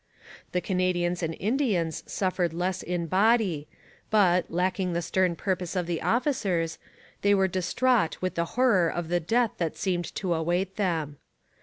The Canadians and Indians suffered less in body, but, lacking the stern purpose of the officers, they were distraught with the horror of the death that seemed to await them.